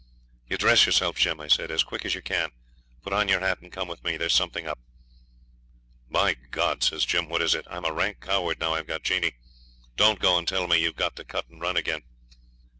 'You dress yourself, Jim,' I said, 'as quick as you can. Put on your hat and come with me; there's something up.' 'My God!' says Jim, 'what is it? I'm a rank coward now I've got Jeanie. Don't go and tell me we've got to cut and run again.'